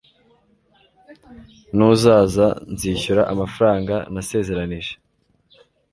nuzaza, nzishyura amafaranga nasezeranije